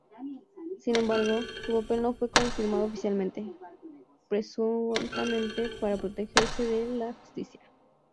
Sin embargo, su papel no fue confirmado oficialmente, presuntamente para protegerse de la justicia.